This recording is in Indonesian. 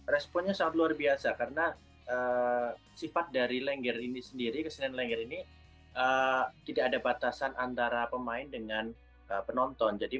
responnya sangat luar biasa karena sifat dari lengger ini sendiri ke senin lengger ini tidak ada batasan antara pemain dengan penonton